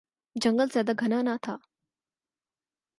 جنگل زیادہ گھنا نہ تھا